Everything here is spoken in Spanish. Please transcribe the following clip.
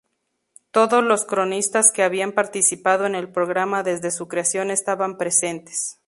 Todos los cronistas que habían participado en el programa desde su creación estaban presentes.